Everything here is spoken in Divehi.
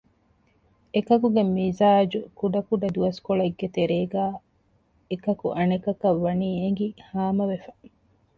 އެކަކުގެ މިޒާޖު ކުޑަ ކުޑަ ދުވަސްކޮޅެއްގެ ތެރޭގައި އެކަކު އަނެކަކަށް ވަނީ އެނގި ހާމަވެފަ